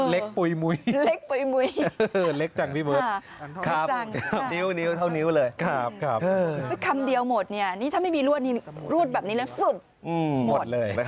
เล็กปุ่ยมุยเล็กปุ่ยมุยเล็กจังพี่เบิร์ดคำเดียวหมดเนี่ยถ้าไม่มีลวดนี่ลวดแบบนี้เลยหมดเลย